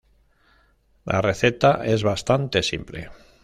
La receta es bastante simple.